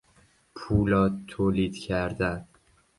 پولاد تولید کردن